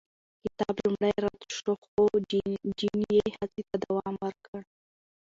کتاب لومړی رد شو، خو جین یې هڅې ته دوام ورکړ.